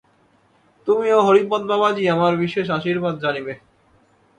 তুমি ও হরিপদ বাবাজী আমার বিশেষ আশীর্বাদ জানিবে।